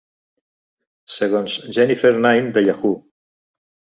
Segons Jennifer Nine de Yahoo!